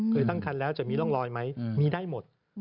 ตั้งคันแล้วจะมีร่องรอยไหมมีได้หมด